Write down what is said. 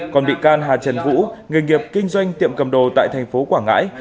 còn bị can hà trần vũ nghề nghiệp kinh doanh tiệm cầm đồ tại thành phố quảng ngãi